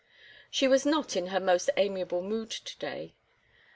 She was not in her most amiable mood to day.